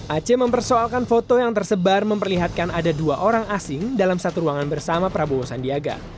aceh mempersoalkan foto yang tersebar memperlihatkan ada dua orang asing dalam satu ruangan bersama prabowo sandiaga